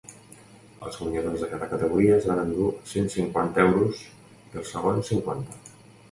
Els guanyadors de cada categoria es van endur cent cinquanta euros i els segons, cinquanta.